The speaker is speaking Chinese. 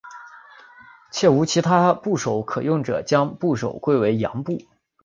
且无其他部首可用者将部首归为羊部。